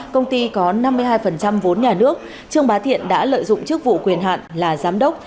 công ty có năm mươi hai vốn nhà nước trương bá thiện đã lợi dụng chức vụ quyền hạn là giám đốc